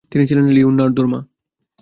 তিনি ছিলেন লিওনার্দোর মা।